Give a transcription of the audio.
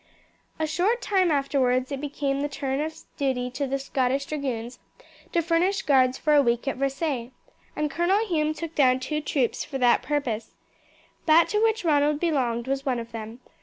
A short time afterwards it became the turn of duty of the Scottish Dragoons to furnish guards for a week at Versailles, and Colonel Hume took down two troops for that purpose. That to which Ronald belonged was one of them.